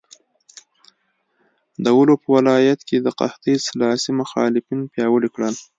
د ولو په ولایت کې قحطۍ د سلاسي مخالفین پیاوړي کړل.